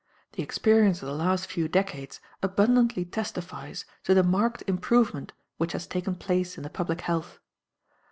The experience of the last few decades abundantly testifies to the marked improvement which has taken place in the public health.